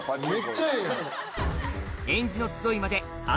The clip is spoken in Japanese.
めっちゃええやん。